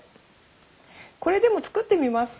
これでも作ってみます。